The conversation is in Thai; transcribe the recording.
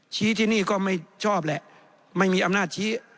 ที่นี่ก็ไม่ชอบแหละไม่มีอำนาจชี้